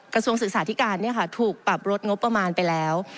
กระทรวงศึกษาที่การเนี่ยค่ะถูกปรับรถงบประมาณไปแล้ว